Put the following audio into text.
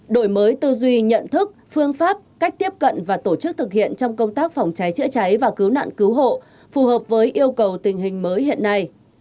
đổi mới tư duy nhận thức phương pháp cách tiếp cận và tổ chức thực hiện trong công tác phòng cháy chữa cháy và cứu nạn cứu hộ phù hợp với yêu cầu tình hình mới hiện nay